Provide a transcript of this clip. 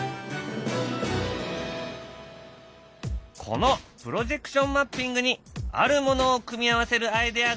このプロジェクションマッピングにあるものを組み合わせるアイデアがある。